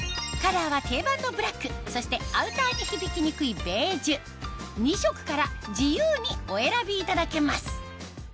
カラーは定番のブラックそしてアウターに響きにくいベージュ２色から自由にお選びいただけます